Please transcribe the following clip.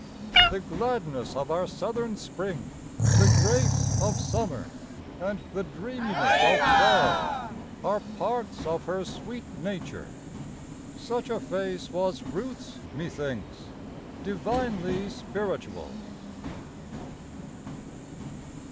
The gladness of our Southern spring; the grace Of summer; and the dreaminess of fall Are parts of her sweet nature. Such a face Was Ruth's, methinks, divinely spiritual.